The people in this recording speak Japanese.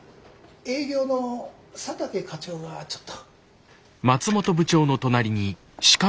営業の佐竹課長がちょっと。